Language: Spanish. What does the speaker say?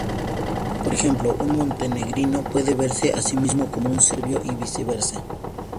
Por ejemplo, un "montenegrino" puede verse a sí mismo como un serbio y viceversa.